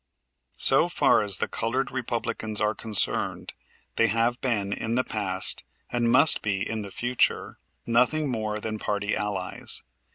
So far as the colored Republicans are concerned they have been in the past, and must be in the future, nothing more than party allies.